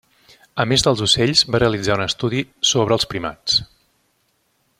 A més dels ocells va realitzar un estudi sobre els primats.